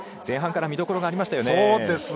前半から見どころがありましたよね。